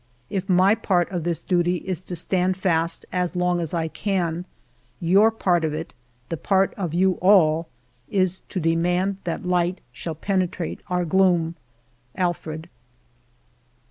If my part of this duty is to stand fast as long as I can, your part of it — the part of you all — is to demand that light shall penetrate our gloom. Alfred.